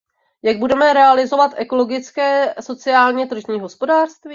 Jak budeme realizovat ekologické sociálně tržní hospodářství?